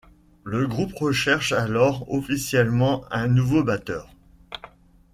Le groupe recherche alors officiellement un nouveau batteur.